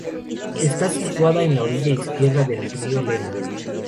Está situada en en la orilla izquierda del río Lena.